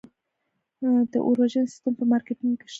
د اور وژنې سیستم په مارکیټونو کې شته؟